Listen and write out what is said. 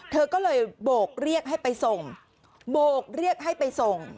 เธอก็เลยโบกเรียกให้ไปส่งโบกเรียกให้ไปส่ง